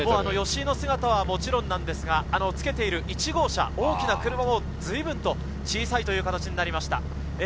吉居の姿はもちろんなんですが、つけている１号車、大きな車も随分小さくなりました。